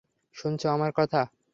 শুনছো আমার কথা?